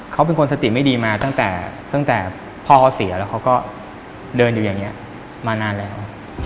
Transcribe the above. เขาเป็นคนสติไม่ดีมาตั้งแต่ตั้งแต่พ่อเขาเสียแล้วเขาก็เดินอยู่อย่างนี้มานานแล้ว